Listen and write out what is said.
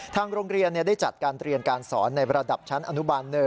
ทางโรงเรียนได้จัดการเรียนการสอนในระดับชั้นอนุบาล๑